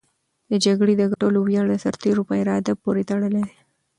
د جګړې د ګټلو ویاړ د سرتېرو په اراده پورې تړلی دی.